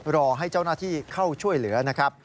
รอให้เจ้าหน้าที่เข้าช่วยเหลือนะครับ